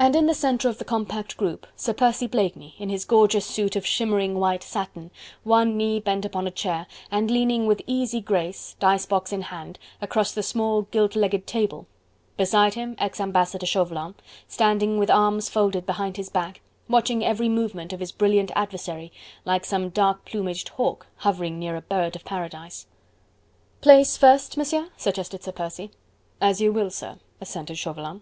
And in the centre of the compact group, Sir Percy Blakeney in his gorgeous suit of shimmering white satin, one knee bent upon a chair, and leaning with easy grace dice box in hand across the small gilt legged table; beside him ex Ambassador Chauvelin, standing with arms folded behind his back, watching every movement of his brilliant adversary like some dark plumaged hawk hovering near a bird of paradise. "Place first, Monsieur?" suggested Sir Percy. "As you will, sir," assented Chauvelin.